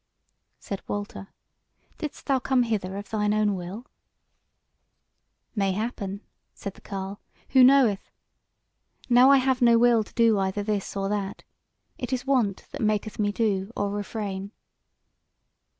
Said Walter: "Didst thou come hither of thine own will?" "Mayhappen," said the carle; "who knoweth? Now have I no will to do either this or that. It is wont that maketh me do, or refrain."